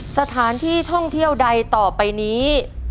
สถานที่ท่องเที่ยวใดต่อไปนี้